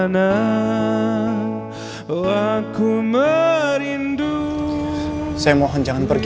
saya mohon jangan pergi